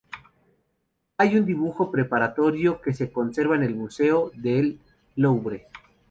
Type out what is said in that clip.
Hay un dibujo preparatorio que se conserva en el Museo del Louvre.